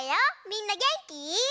みんなげんき？